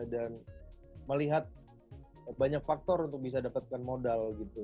dan melihat banyak faktor untuk bisa dapatkan modal gitu